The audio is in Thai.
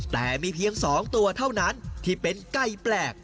แต่มีเพียง๒ตัวเท่านั้นที่เป็นไก่แปลก